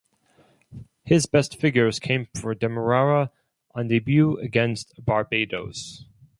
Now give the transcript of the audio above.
His best figures came for Demerara on debut against Barbados.